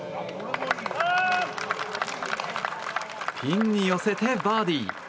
ピンに寄せてバーディー。